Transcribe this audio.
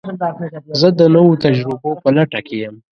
زه د نوو تجربو په لټه کې یم.